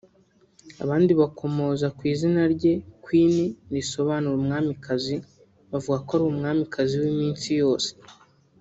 abandi bakomoza ku izina rye ‘Queen’ risobanura 'Umwamikazi' bavuga ko ari umwamikazi w’iminsi yose